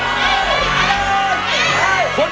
ได้ครับ